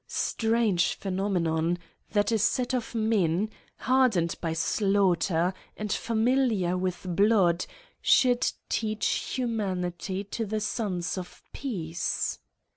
Strange phenomenon ! that a set of meii, hardened by slaughter, and familiar with blood, should teach humanity to the sons of peace.